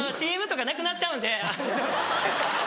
ＣＭとかなくなっちゃうんで。